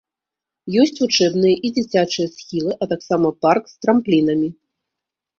Есць вучэбныя і дзіцячыя схілы, а таксама парк з трамплінамі.